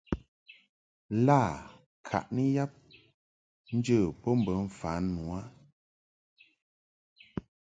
Lâ ŋkaʼni yab njə bo bə mfan nu a.